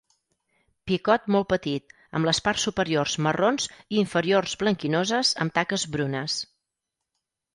Picot molt petit, amb les parts superiors marrons i inferiors blanquinoses amb taques brunes.